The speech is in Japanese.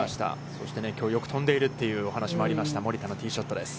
そして、きょうよく飛んでいるというお話しもありました、森田のティーショットです。